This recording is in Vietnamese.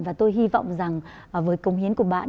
và tôi hy vọng rằng với công hiến của bạn